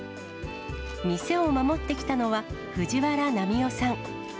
店を守ってきたのは、藤原ナミヨさん。